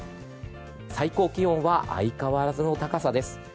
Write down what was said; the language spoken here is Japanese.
最高気温は相変わらずの高さです。